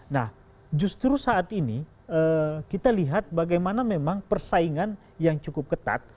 nah justru saat ini kita lihat bagaimana memang persaingan yang cukup ketat